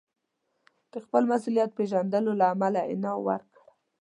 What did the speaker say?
د خپل مسوولیت پېژندلو له امله انعام ورکړ.